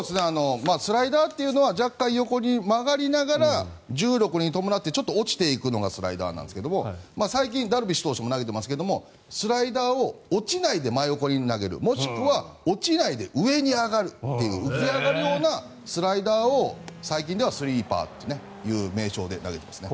スライダーというのは若干横に曲がりながら重力に伴ってちょっと落ちていくのがスライダーなんですが最近、ダルビッシュ投手も投げていますがスライダーを落ちないで真横に投げるもしくは落ちないで上に上がるっていう浮き上がるようなスライダーを最近ではスイーパーという名称で投げてますね。